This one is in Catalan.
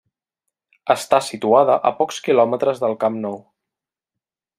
Està situada a pocs quilòmetres del Camp Nou.